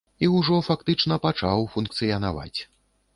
І ўжо фактычна пачаў функцыянаваць.